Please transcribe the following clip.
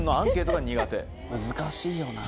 難しいよな。